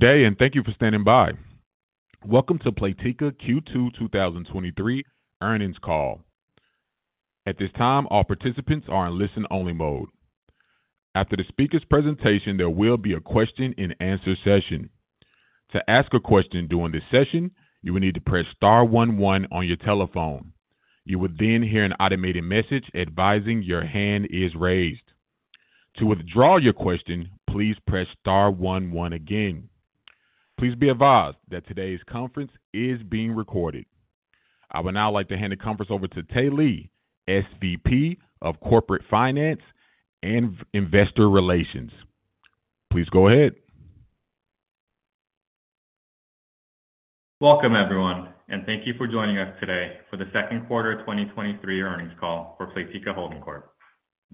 Good day, and thank you for standing by. Welcome to Playtika Q2 2023 earnings call. At this time, all participants are in listen-only mode. After the speaker's presentation, there will be a question and answer session. To ask a question during this session, you will need to press star one one on your telephone. You will then hear an automated message advising your hand is raised. To withdraw your question, please press star one one again. Please be advised that today's conference is being recorded. I would now like to hand the conference over to Tae Lee, SVP of Corporate Finance and Investor Relations. Please go ahead. Welcome, everyone, thank you for joining us today for the second quarter of 2023 earnings call for Playtika Holding Corp.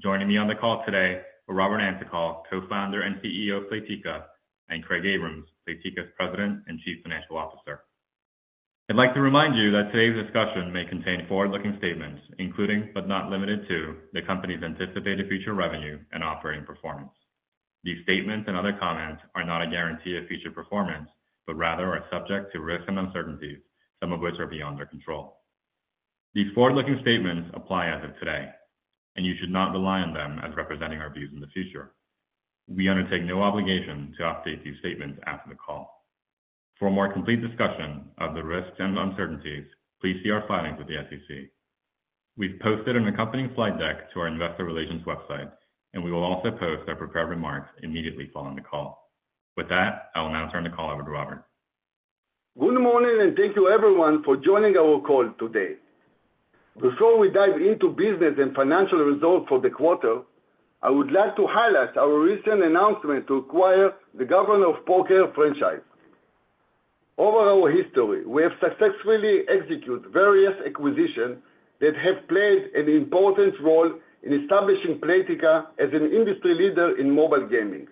Joining me on the call today are Robert Antokol, Co-Founder and CEO of Playtika, and Craig Abrahams, Playtika's President and Chief Financial Officer. I'd like to remind you that today's discussion may contain forward-looking statements, including, but not limited to, the company's anticipated future revenue and operating performance. These statements and other comments are not a guarantee of future performance, but rather are subject to risks and uncertainties, some of which are beyond their control. These forward-looking statements apply as of today, you should not rely on them as representing our views in the future. We undertake no obligation to update these statements after the call. For a more complete discussion of the risks and uncertainties, please see our filings with the SEC. We've posted an accompanying slide deck to our investor relations website, and we will also post our prepared remarks immediately following the call. With that, I will now turn the call over to Robert. Good morning, and thank you everyone for joining our call today. Before we dive into business and financial results for the quarter, I would like to highlight our recent announcement to acquire the Governor of Poker franchise. Over our history, we have successfully executed various acquisitions that have played an important role in establishing Playtika as an industry leader in mobile gaming.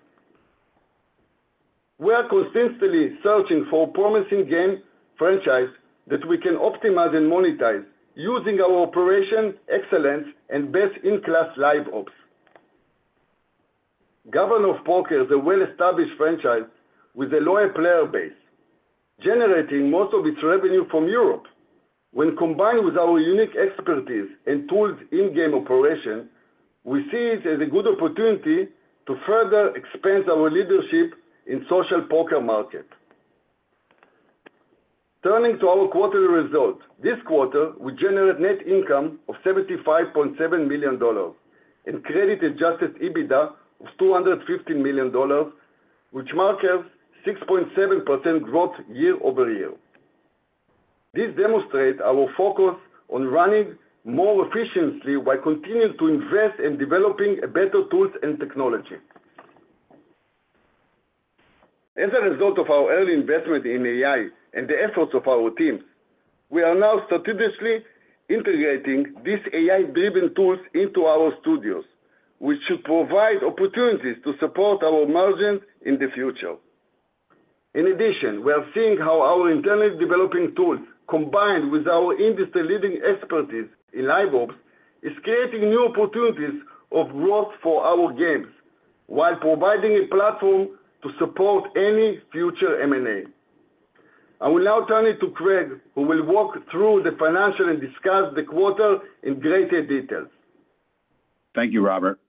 We are consistently searching for promising game franchise that we can optimize and monetize using our operation excellence and best-in-class Live Ops. Governor of Poker is a well-established franchise with a loyal player base, generating most of its revenue from Europe. When combined with our unique expertise and tools in-game operation, we see it as a good opportunity to further expand our leadership in social poker market. Turning to our quarterly results. This quarter, we generated net income of $75.7 million and credit-adjusted EBITDA of $215 million, which markers 6.7% growth year-over-year. This demonstrates our focus on running more efficiently while continuing to invest in developing a better tools and technology. As a result of our early investment in AI and the efforts of our teams, we are now strategically integrating these AI-driven tools into our studios, which should provide opportunities to support our margin in the future. In addition, we are seeing how our internally developing tools, combined with our industry-leading expertise in Live Ops, is creating new opportunities of growth for our games while providing a platform to support any future M&A. I will now turn it to Craig, who will walk through the financial and discuss the quarter in greater details. Thank you, Robert.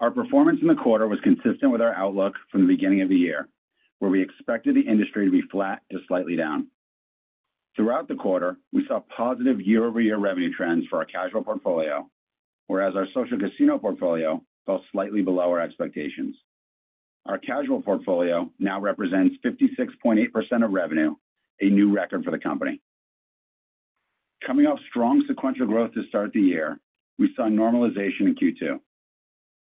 Our performance in the quarter was consistent with our outlook from the beginning of the year, where we expected the industry to be flat to slightly down. Throughout the quarter, we saw positive year-over-year revenue trends for our casual portfolio, whereas our social casino portfolio fell slightly below our expectations. Our casual portfolio now represents 56.8% of revenue, a new record for the company. Coming off strong sequential growth to start the year, we saw normalization in Q2.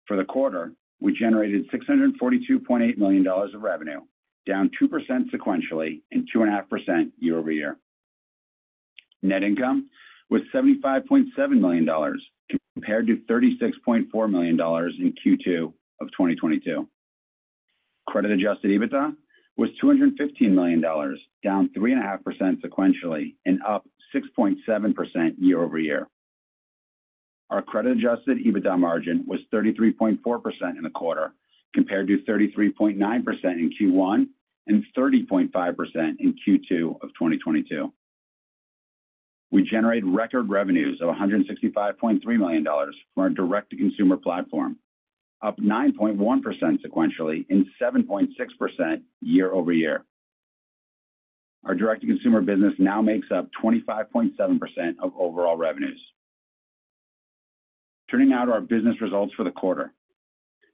For the quarter, we generated $642.8 million of revenue, down 2% sequentially and 2.5% year-over-year. Net income was $75.7 million, compared to $36.4 million in Q2 of 2022. Credit-adjusted EBITDA was $215 million, down 3.5% sequentially, and up 6.7% year-over-year. Our credit-adjusted EBITDA margin was 33.4% in the quarter, compared to 33.9% in Q1 and 30.5% in Q2 of 2022. We generated record revenues of $165.3 million from our direct-to-consumer platform, up 9.1% sequentially and 7.6% year-over-year. Our direct-to-consumer business now makes up 25.7% of overall revenues. Turning now to our business results for the quarter.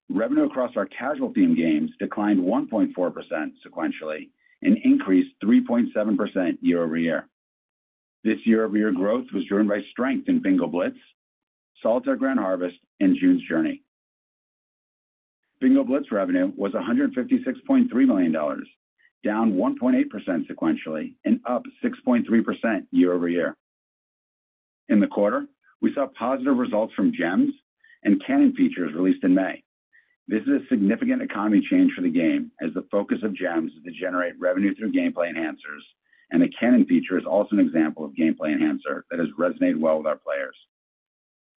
Revenue across our casual theme games declined 1.4% sequentially and increased 3.7% year-over-year. This year-over-year growth was driven by strength in Bingo Blitz, Solitaire Grand Harvest, and June's Journey. Bingo Blitz revenue was $156.3 million, down 1.8% sequentially and up 6.3% year-over-year. In the quarter, we saw positive results from Gems and Cannon Features released in May. This is a significant economy change for the game, as the focus of Gems is to generate revenue through gameplay enhancers, and the Canon feature is also an example of gameplay enhancer that has resonated well with our players.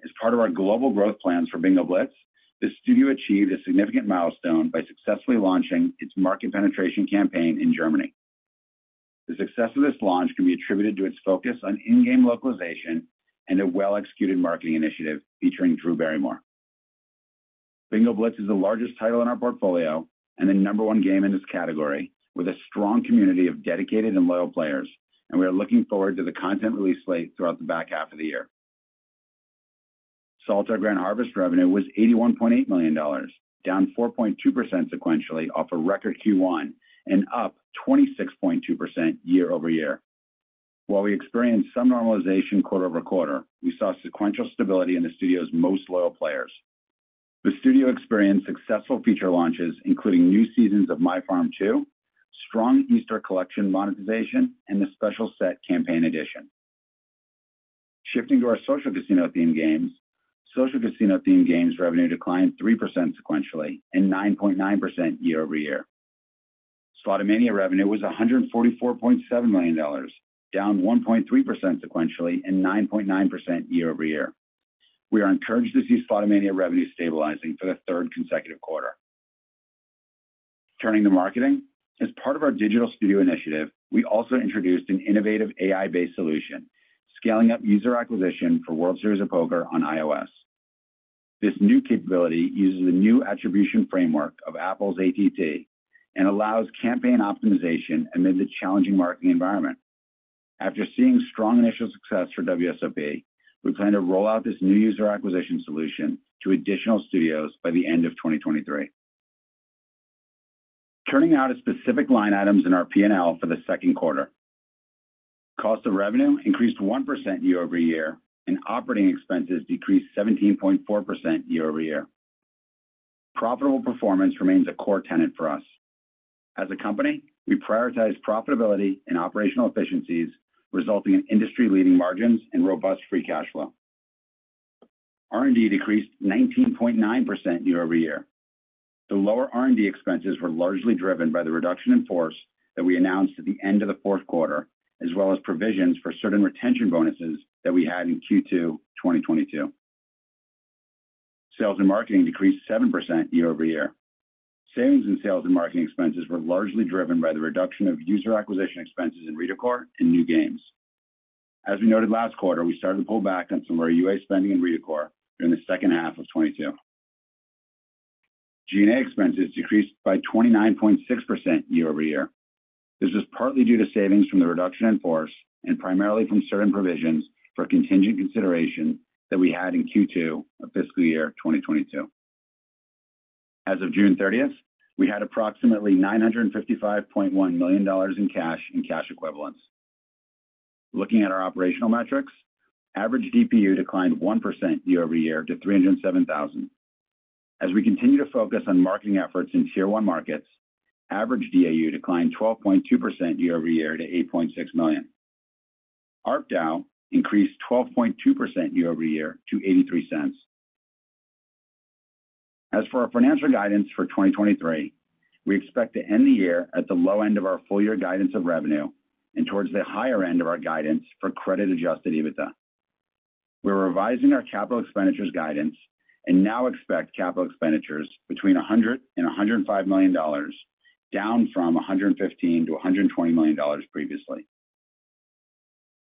As part of our global growth plans for Bingo Blitz, the studio achieved a significant milestone by successfully launching its market penetration campaign in Germany. The success of this launch can be attributed to its focus on in-game localization and a well-executed marketing initiative featuring Drew Barrymore. Bingo Blitz is the largest title in our portfolio and the number one game in its category, with a strong community of dedicated and loyal players, and we are looking forward to the content release slate throughout the back half of the year. Solitaire Grand Harvest revenue was $81.8 million, down 4.2% sequentially off a record Q1 and up 26.2% year-over-year. While we experienced some normalization quarter-over-quarter, we saw sequential stability in the studio's most loyal players. The studio experienced successful feature launches, including new seasons of My Farm 2, strong Easter collection monetization, and the special set campaign edition. Shifting to our social casino-themed games. Social casino-themed games revenue declined 3% sequentially and 9.9% year-over-year. Slotomania revenue was $144.7 million, down 1.3% sequentially and 9.9% year-over-year. We are encouraged to see Slotomania revenue stabilizing for the third consecutive quarter. Turning to marketing. As part of our digital studio initiative, we also introduced an innovative AI-based solution, scaling up user acquisition for World Series of Poker on iOS. This new capability uses the new attribution framework of Apple's ATT and allows campaign optimization amid the challenging marketing environment. After seeing strong initial success for WSOP, we plan to roll out this new user acquisition solution to additional studios by the end of 2023. Turning now to specific line items in our P&L for the second quarter. Cost of revenue increased 1% year-over-year, operating expenses decreased 17.4% year-over-year. Profitable performance remains a core tenet for us. As a company, we prioritize profitability and operational efficiencies, resulting in industry-leading margins and robust free cash flow. R&D decreased 19.9% year-over-year. The lower R&D expenses were largely driven by the reduction in force that we announced at the end of the fourth quarter, as well as provisions for certain retention bonuses that we had in Q2, 2022. Sales and marketing decreased 7% year-over-year. Savings in sales and marketing expenses were largely driven by the reduction of user acquisition expenses in Redecor and new games. As we noted last quarter, we started to pull back on some of our UA spending in Redecor during the second half of 2022. G&A expenses decreased by 29.6% year-over-year. This is partly due to savings from the reduction in force and primarily from certain provisions for contingent consideration that we had in Q2 of fiscal year 2022. As of June thirtieth, we had approximately $955.1 million in cash and cash equivalents. Looking at our operational metrics, average DPU declined 1% year-over-year to 307,000. As we continue to focus on marketing efforts in Tier 1 markets, average DAU declined 12.2% year-over-year to 8.6 million. ARPDAU increased 12.2% year-over-year to $0.83. As for our financial guidance for 2023, we expect to end the year at the low end of our full year guidance of revenue and towards the higher end of our guidance for credit-adjusted EBITDA. We're revising our capital expenditures guidance and now expect capital expenditures between $100 million-$105 million, down from $115 million-$120 million previously.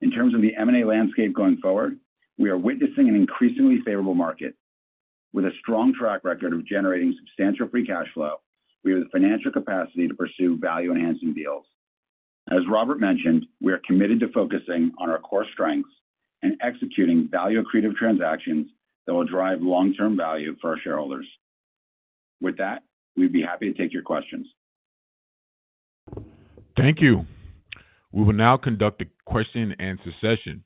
In terms of the M&A landscape going forward, we are witnessing an increasingly favorable market. With a strong track record of generating substantial free cash flow, we have the financial capacity to pursue value-enhancing deals. As Robert mentioned, we are committed to focusing on our core strengths and executing value accretive transactions that will drive long-term value for our shareholders. With that, we'd be happy to take your questions. Thank you. We will now conduct a question-and-answer session.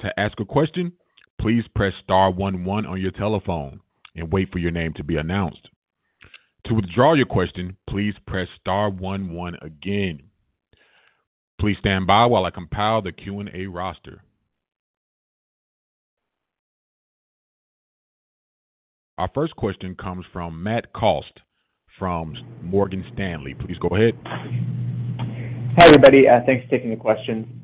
To ask a question, please press star 1 1 on your telephone and wait for your name to be announced. To withdraw your question, please press star 1 1 again. Please stand by while I compile the Q&A roster. Our first question comes from Matt Cost from Morgan Stanley. Please go ahead. Hi, everybody, thanks for taking the question.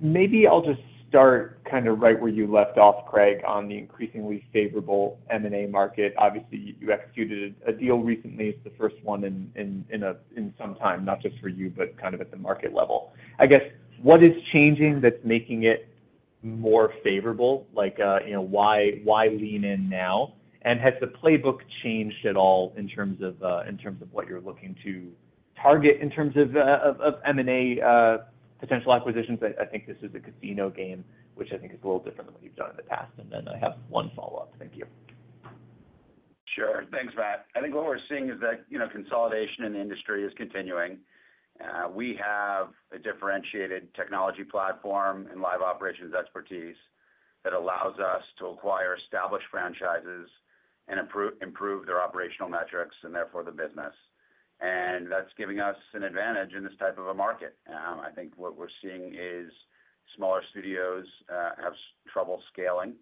Maybe I'll just start kind of right where you left off, Craig, on the increasingly favorable M&A market. Obviously, you, you executed a deal recently. It's the first one in, in, in some time, not just for you, but kind of at the market level. I guess, what is changing that's making it more favorable? Like, you know, why, why lean in now? Has the playbook changed at all in terms of in terms of what you're looking to target in terms of of M&A potential acquisitions? I, I think this is a casino game, which I think is a little different than what you've done in the past. Then I have one follow-up. Thank you. Sure. Thanks, Matt. I think what we're seeing is that, you know, consolidation in the industry is continuing. We have a differentiated technology platform and live operations expertise that allows us to acquire established franchises and improve their operational metrics, and therefore, the business. That's giving us an advantage in this type of a market. I think what we're seeing is smaller studios, have trouble scaling,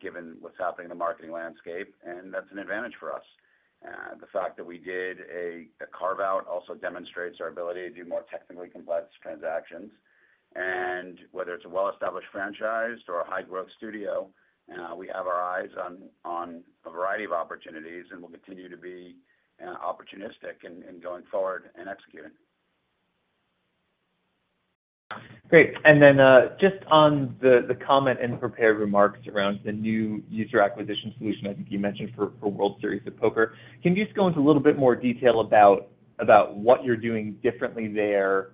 given what's happening in the marketing landscape, and that's an advantage for us. The fact that we did a, a carve-out also demonstrates our ability to do more technically complex transactions. Whether it's a well-established franchise or a high-growth studio, we have our eyes on, on a variety of opportunities, and we'll continue to be opportunistic in, in going forward and executing. Great. Then, just on the comment and prepared remarks around the new user acquisition solution, I think you mentioned for World Series of Poker, can you just go into a little bit more detail about what you're doing differently there,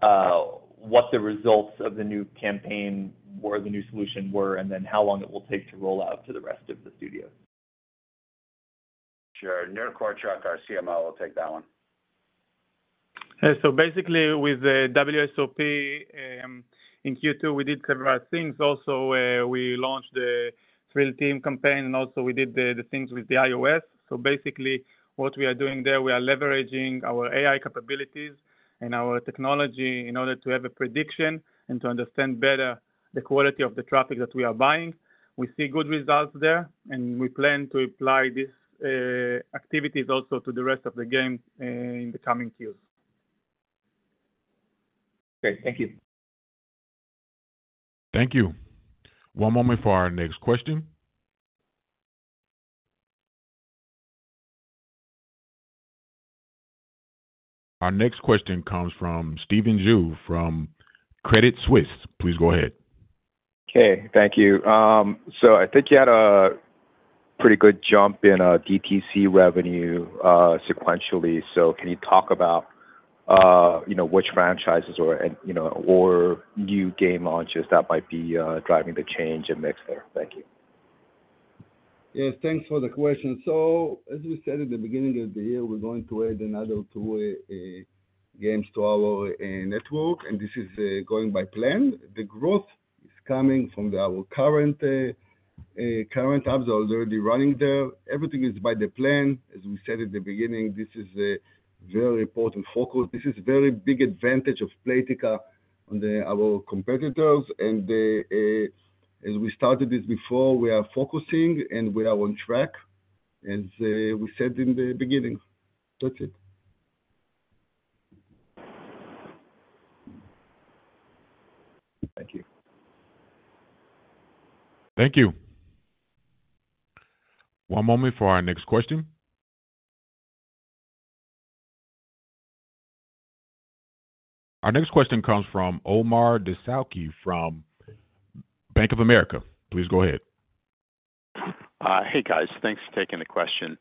what the results of the new campaign or the new solution were, and then how long it will take to roll out to the rest of the studio? Sure. Nir Korczak, our CMO, will take that one. Hey, basically, with the WSOP, in Q2, we did several things. Also, where we launched the thrill team campaign, and also we did the things with the iOS. Basically, what we are doing there, we are leveraging our AI capabilities and our technology in order to have a prediction and to understand better the quality of the traffic that we are buying. We see good results there, and we plan to apply these activities also to the rest of the game, in the coming years. Great. Thank you. Thank you. One moment for our next question. Our next question comes from Stephen Ju from Credit Suisse. Please go ahead. Okay. Thank you. I think you had a pretty good jump in DTC revenue sequentially. Can you talk about, you know, which franchises or, and, you know, or new game launches that might be driving the change in mix there? Thank you. Yes, thanks for the question. As we said at the beginning of the year, we're going to add another two games to our network. This is going by plan. The growth is coming from our current current apps that are already running there. Everything is by the plan. As we said at the beginning, this is a very important focus. This is a very big advantage of Playtika on the our competitors. As we started this before, we are focusing, and we are on track, as we said in the beginning. That's it. Thank you. Thank you. One moment for our next question. Our next question comes from Omar Dessouky from Bank of America. Please go ahead. Hey, guys, thanks for taking the question.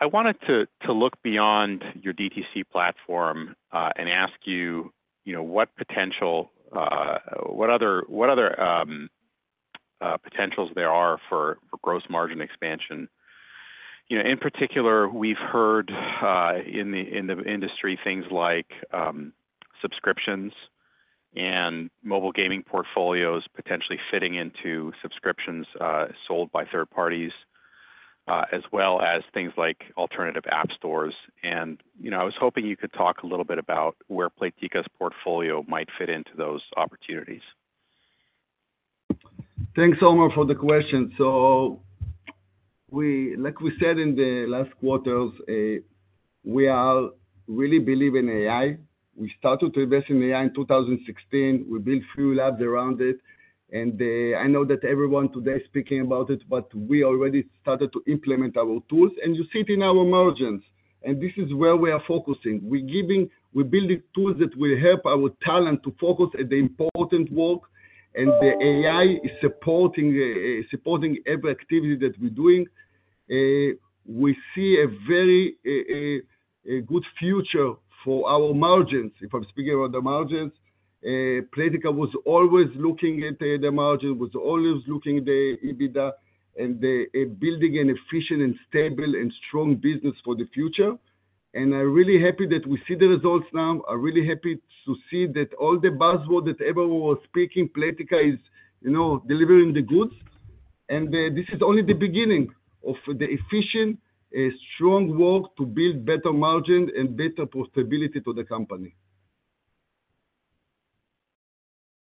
I wanted to, to look beyond your DTC platform, and ask you, you know, what potential, what other, what other potentials there are for, for gross margin expansion? You know, in particular, we've heard in the industry, things like subscriptions and mobile gaming portfolios potentially fitting into subscriptions, sold by third parties, as well as things like alternative app stores. You know, I was hoping you could talk a little bit about where Playtika's portfolio might fit into those opportunities. Thanks, Omar, for the question. Like we said in the last quarters, we are really believe in AI. We started to invest in AI in 2016. We built few labs around it, and I know that everyone today is speaking about it, but we already started to implement our tools, and you see it in our margins, and this is where we are focusing. We're building tools that will help our talent to focus on the important work, and the AI is supporting, supporting every activity that we're doing. We see a very good future for our margins. If I'm speaking about the margins, Playtika was always looking at the margins, was always looking the EBITDA and the building an efficient and stable and strong business for the future. I'm really happy that we see the results now. I'm really happy to see that all the buzzword that everyone was speaking, Playtika is, you know, delivering the goods. This is only the beginning of the efficient, strong work to build better margin and better profitability to the company.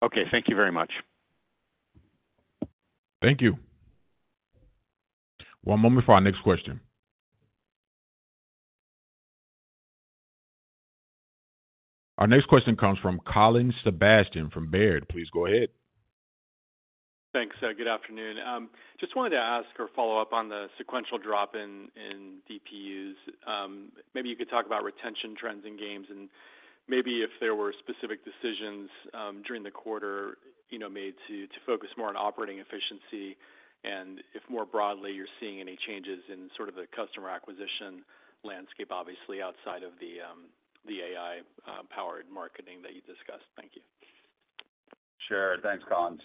Okay. Thank you very much. Thank you. One moment for our next question. Our next question comes from Colin Sebastian from Baird. Please go ahead. Thanks. Good afternoon. Just wanted to ask or follow up on the sequential drop in DPUs. Maybe you could talk about retention trends in games, and maybe if there were specific decisions, during the quarter, you know, made to focus more on operating efficiency, and if more broadly, you're seeing any changes in sort of the customer acquisition landscape, obviously outside of the AI powered marketing that you discussed. Thank you. Sure. Thanks, Colin.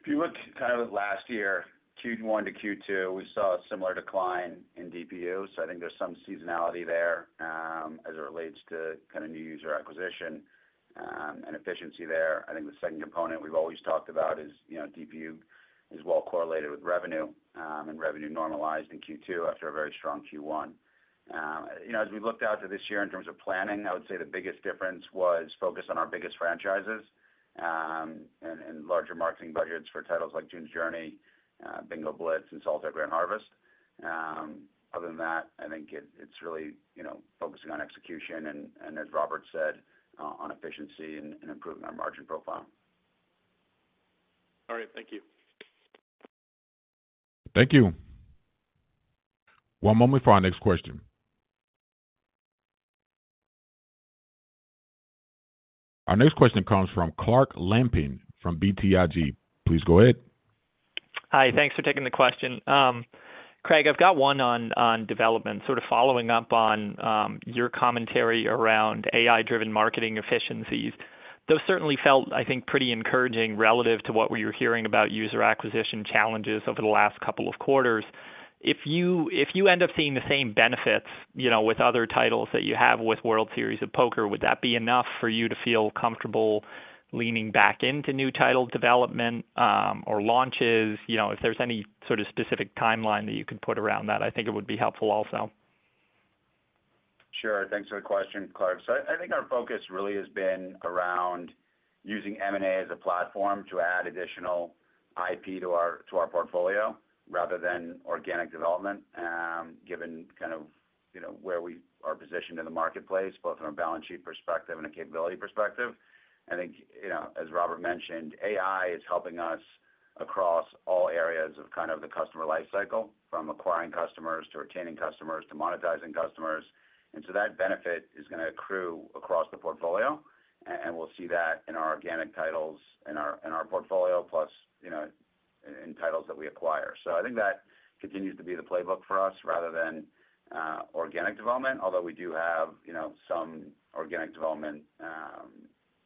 If you look kind of at last year, Q1 to Q2, we saw a similar decline in DPU. I think there's some seasonality there, as it relates to kind of new user acquisition, and efficiency there. I think the second component we've always talked about is, you know, DPU is well correlated with revenue, and revenue normalized in Q2 after a very strong Q1. ... you know, as we looked out to this year in terms of planning, I would say the biggest difference was focus on our biggest franchises, and, and larger marketing budgets for titles like June's Journey, Bingo Blitz, and Solitaire Grand Harvest. Other than that, I think it, it's really, you know, focusing on execution and, as Robert said, on efficiency and, and improving our margin profile. All right. Thank you. Thank you. One moment for our next question. Our next question comes from Clark Lampen from BTIG. Please go ahead. Hi, thanks for taking the question. Craig, I've got one on, on development, sort of following up on, your commentary around AI-driven marketing efficiencies. Those certainly felt, I think, pretty encouraging relative to what we were hearing about user acquisition challenges over the last couple of quarters. If you, if you end up seeing the same benefits, you know, with other titles that you have with World Series of Poker, would that be enough for you to feel comfortable leaning back into new title development, or launches? You know, if there's any sort of specific timeline that you could put around that, I think it would be helpful also. Sure. Thanks for the question, Clark. I, I think our focus really has been around using M&A as a platform to add additional IP to our, to our portfolio rather than organic development, given kind of, you know, where we are positioned in the marketplace, both from a balance sheet perspective and a capability perspective. I think, you know, as Robert mentioned, AI is helping us across all areas of kind of the customer life cycle, from acquiring customers to retaining customers to monetizing customers. That benefit is gonna accrue across the portfolio, and we'll see that in our organic titles, in our, in our portfolio, plus, you know, in, in titles that we acquire. I think that continues to be the playbook for us rather than organic development, although we do have, you know, some organic development,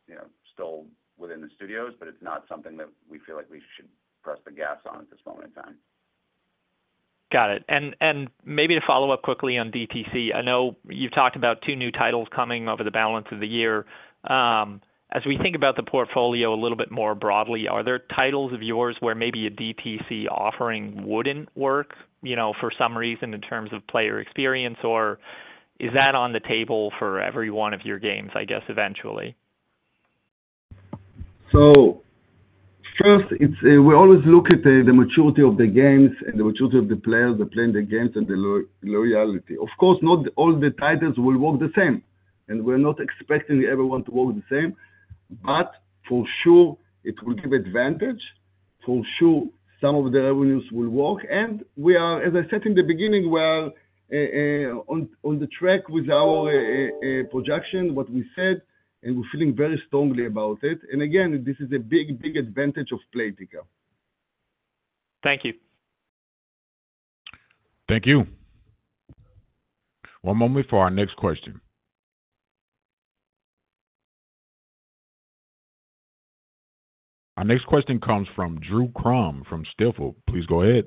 you know, still within the studios, but it's not something that we feel like we should press the gas on at this moment in time. Got it. Maybe to follow up quickly on DTC. I know you've talked about 2 new titles coming over the balance of the year. As we think about the portfolio a little bit more broadly, are there titles of yours where maybe a DTC offering wouldn't work, you know, for some reason, in terms of player experience? Or is that on the table for every 1 of your games, I guess, eventually? First, it's, we always look at the maturity of the games and the maturity of the players that play the games and the loyalty. Not all the titles will work the same, and we're not expecting everyone to work the same. For sure, it will give advantage. For sure, some of the revenues will work, and we are, as I said in the beginning, we are on the track with our projection, what we said, and we're feeling very strongly about it. Again, this is a big, big advantage of Playtika. Thank you. Thank you. One moment for our next question. Our next question comes from Drew Crum from Stifel. Please go ahead.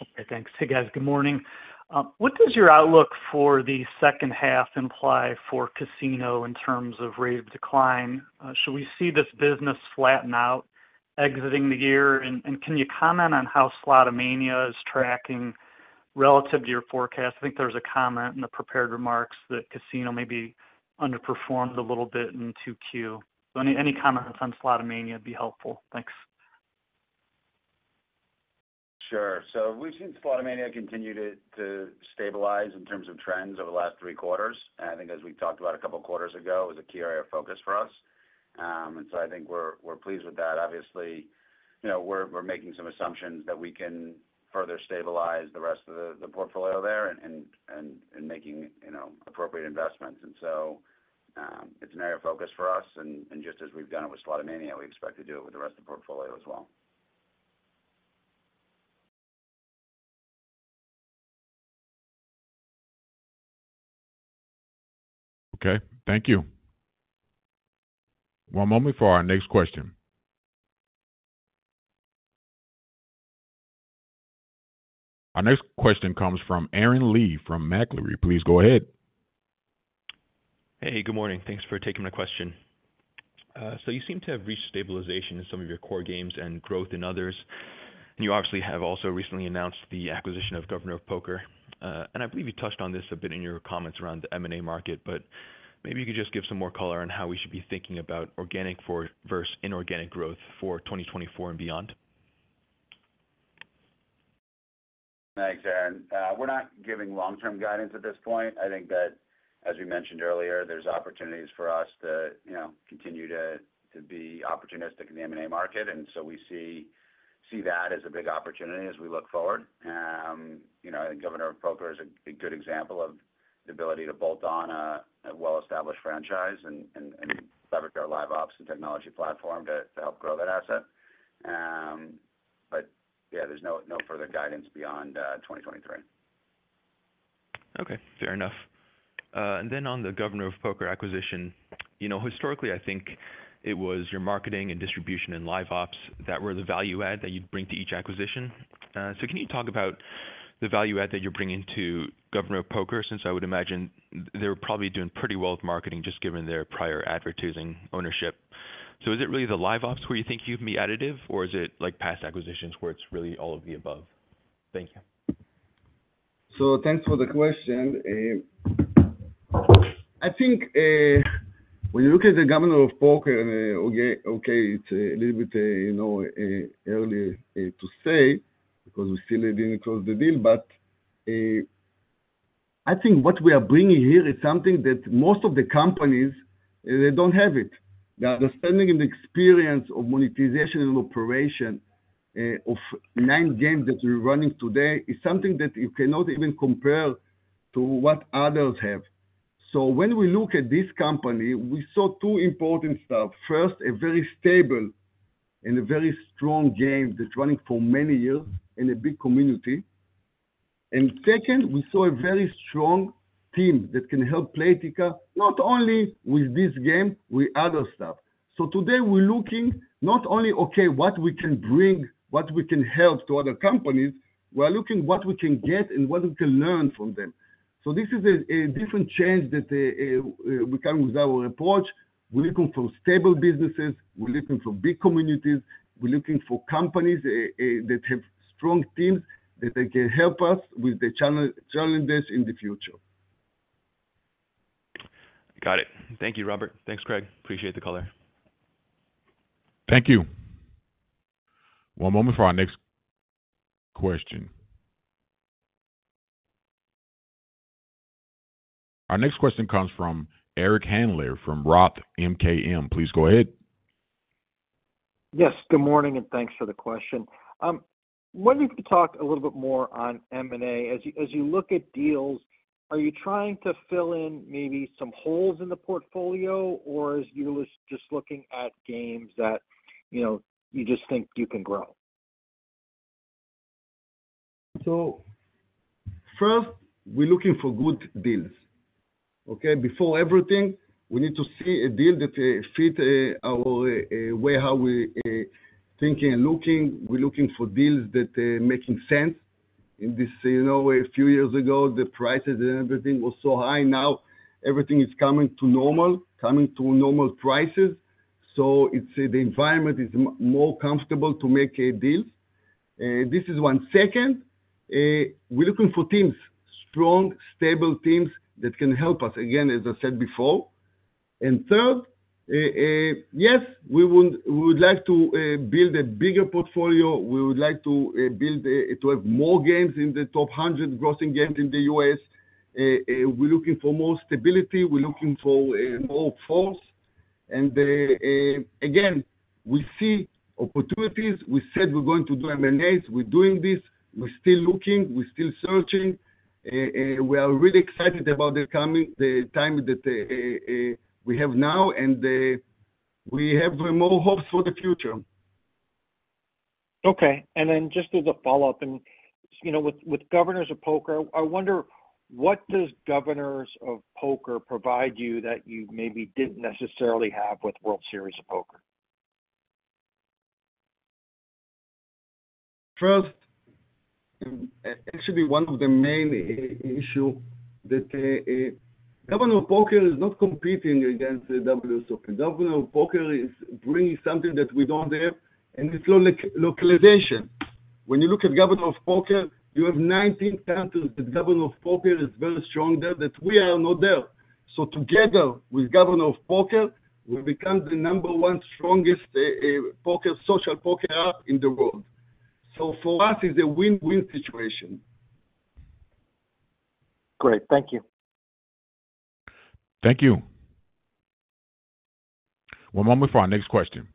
Okay, thanks. Hey, guys, good morning. What does your outlook for the second half imply for casino in terms of rate of decline? Should we see this business flatten out exiting the year? Can you comment on how Slotomania is tracking relative to your forecast? I think there was a comment in the prepared remarks that casino maybe underperformed a little bit in 2Q. Any, any comments on Slotomania would be helpful. Thanks. Sure. So we've seen Slotomania continue to, to stabilize in terms of trends over the last three quarters. And I think as we talked about a couple of quarters ago, it was a key area of focus for us. And so I think we're, we're pleased with that. Obviously, you know, we're, we're making some assumptions that we can further stabilize the rest of the, the portfolio there and, and, and, and making, you know, appropriate investments. And so, it's an area of focus for us, and, and just as we've done it with Slotomania, we expect to do it with the rest of the portfolio as well. Okay, thank you. One moment for our next question. Our next question comes from Aaron Lee, from Macquarie. Please go ahead. Hey, good morning. Thanks for taking my question. You seem to have reached stabilization in some of your core games and growth in others, and you obviously have also recently announced the acquisition of Governor of Poker. I believe you touched on this a bit in your comments around the M&A market, but maybe you could just give some more color on how we should be thinking about organic verse inorganic growth for 2024 and beyond. Thanks, Aaron. We're not giving long-term guidance at this point. I think that, as we mentioned earlier, there's opportunities for us to, you know, continue to, to be opportunistic in the M&A market. We see, see that as a big opportunity as we look forward. You know, I think Governor of Poker is a, a good example of the ability to bolt on a, a well-established franchise and, and, and leverage our Live Ops and technology platform to, to help grow that asset. Yeah, there's no, no further guidance beyond 2023. Okay, fair enough. On the Governor of Poker acquisition, you know, historically, I think it was your marketing and distribution and Live Ops that were the value add that you'd bring to each acquisition. Can you talk about the value add that you're bringing to Governor of Poker? Since I would imagine they're probably doing pretty well with marketing, just given their prior advertising ownership.... Is it really the Live Ops where you think you'd be additive, or is it like past acquisitions where it's really all of the above? Thank you. Thanks for the question. I think when you look at the Governor of Poker and, okay, okay, it's a little bit, you know, early to say because we still didn't close the deal. I think what we are bringing here is something that most of the companies, they don't have it. The understanding and experience of monetization and operation of nine games that we're running today, is something that you cannot even compare to what others have. When we look at this company, we saw two important stuff. First, a very stable and a very strong game that's running for many years and a big community. Second, we saw a very strong team that can help Playtika, not only with this game, with other stuff. Today we're looking not only, okay, what we can bring, what we can help to other companies, we're looking what we can get and what we can learn from them. This is a different change that we come with our approach. We're looking for stable businesses, we're looking for big communities, we're looking for companies that have strong teams, that they can help us with the challenge, challenges in the future. Got it. Thank you, Robert. Thanks, Craig. Appreciate the call there. Thank you. One moment for our next question. Our next question comes from Eric Handler from Roth MKM. Please go ahead. Yes, good morning, and thanks for the question. Wondering if you could talk a little bit more on M&A. As you, as you look at deals, are you trying to fill in maybe some holes in the portfolio, or is you just looking at games that, you know, you just think you can grow? First, we're looking for good deals, okay? Before everything, we need to see a deal that fit our way how we thinking and looking. We're looking for deals that making sense. In this, you know, a few years ago, the prices and everything was so high, now everything is coming to normal, coming to normal prices. It's the environment is more comfortable to make a deal. This is one. Second, we're looking for teams, strong, stable teams that can help us, again, as I said before. Third, yes, we would, we would like to build a bigger portfolio. We would like to build to have more games in the top 100 grossing games in the US. We're looking for more stability, we're looking for more force. Again, we see opportunities. We said we're going to do M&As, we're doing this, we're still looking, we're still searching. We are really excited about the coming, the time that we have now, and we have more hopes for the future. Okay, and then just as a follow-up, and, you know, with, with Governor of Poker, I wonder, what does Governor of Poker provide you that you maybe didn't necessarily have with World Series of Poker? First, actually, one of the main issue that Governor of Poker is not competing against the WSOP. Governor of Poker is bringing something that we don't have, and it's localization. When you look at Governor of Poker, you have 19 countries that Governor of Poker is very strong there, that we are not there. Together with Governor of Poker, we become the number one strongest poker, social poker app in the world. For us, it's a win-win situation. Great. Thank you. Thank you. One moment for our next question.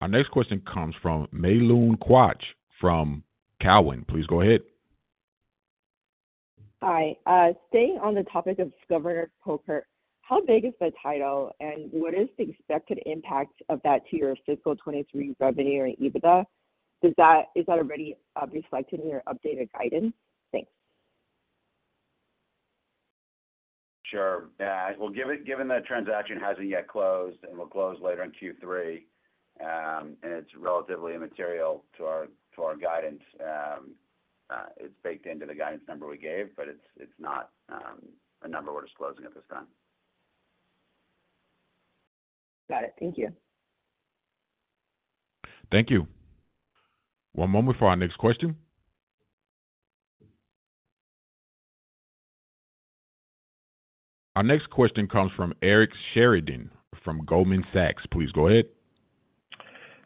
Our next question comes from Mei-Lun Quach from Cowen. Please go ahead. Hi, staying on the topic of Governor of Poker, how big is the title, and what is the expected impact of that to your fiscal 23 revenue and EBITDA? Is that already reflected in your updated guidance? Thanks. Sure. well, given, given that transaction hasn't yet closed and will close later in Q3, and it's relatively immaterial to our, to our guidance, it's baked into the guidance number we gave, but it's, it's not, a number we're disclosing at this time. Got it. Thank you. Thank you. One moment for our next question. Our next question comes from Eric Sheridan from Goldman Sachs. Please go ahead.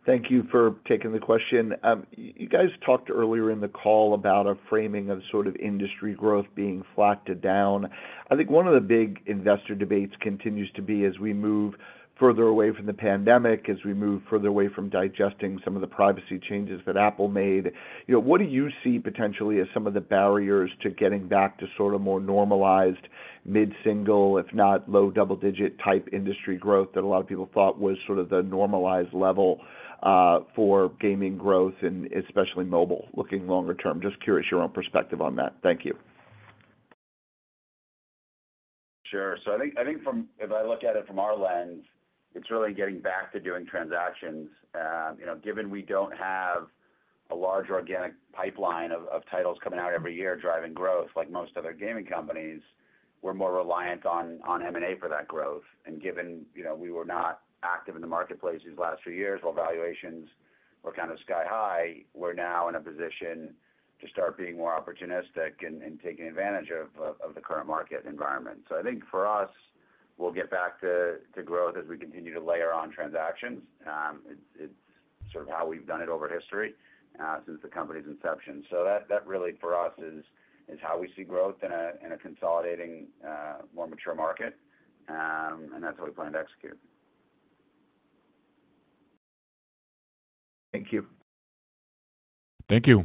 Thank you for taking the question. You guys talked earlier in the call about a framing of sort of industry growth being flat to down. I think one of the big investor debates continues to be, as we move further away from the pandemic, as we move further away from digesting some of the privacy changes that Apple made, you know, what do you see potentially as some of the barriers to getting back to sort of more normalized mid-single, if not low double-digit type industry growth that a lot of people thought was sort of the normalized level for gaming growth and especially mobile, looking longer term? Just curious your own perspective on that. Thank you. Sure. I think, I think if I look at it from our lens, it's really getting back to doing transactions. you know, given we don't.... a large organic pipeline of titles coming out every year, driving growth like most other gaming companies, we're more reliant on M&A for that growth. Given, you know, we were not active in the marketplace these last few years, while valuations were kind of sky high, we're now in a position to start being more opportunistic and taking advantage of the current market environment. I think for us, we'll get back to growth as we continue to layer on transactions. It's sort of how we've done it over history since the company's inception. That really, for us, is how we see growth in a consolidating, more mature market, and that's how we plan to execute. Thank you. Thank you.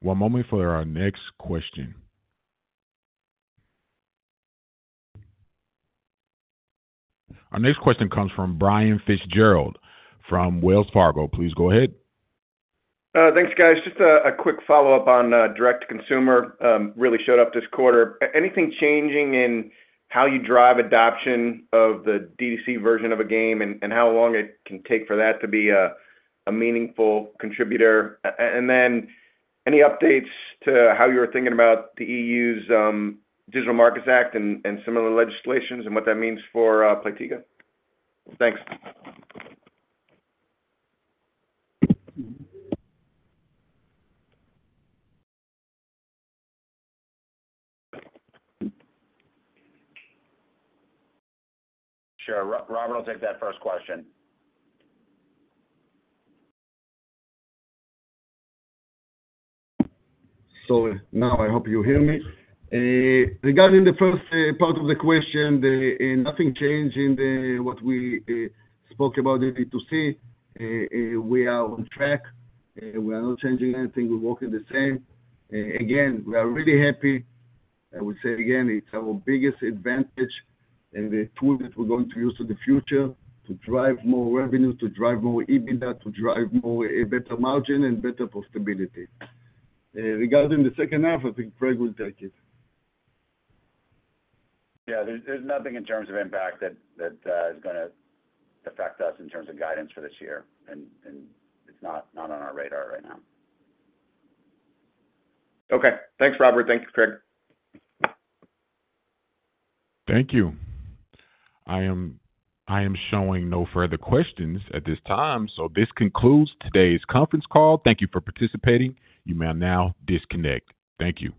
One moment for our next question. Our next question comes from Brian Fitzgerald from Wells Fargo. Please go ahead. Thanks, guys. Just a quick follow-up on direct-to-consumer, really showed up this quarter. Anything changing in how you drive adoption of the D2C version of a game and how long it can take for that to be a meaningful contributor? Any updates to how you're thinking about the EU's Digital Markets Act and similar legislations and what that means for Playtika? Thanks. Sure. Robert, I'll take that first question. Now I hope you hear me. Regarding the first part of the question, nothing changed in what we spoke about D2C. We are on track. We are not changing anything. We're working the same. Again, we are really happy. I would say again, it's our biggest advantage and the tool that we're going to use in the future to drive more revenue, to drive more EBITDA, to drive a better margin and better profitability. Regarding the second half, I think Craig will take it. Yeah, there's nothing in terms of impact that is gonna affect us in terms of guidance for this year, and it's not on our radar right now. Okay. Thanks, Robert. Thank you, Craig. Thank you. I am, I am showing no further questions at this time, so this concludes today's conference call. Thank you for participating. You may now disconnect. Thank you.